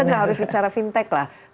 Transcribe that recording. kita nggak harus bicara fintech lah